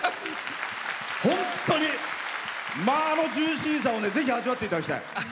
あのジューシーさを味わっていただきたい。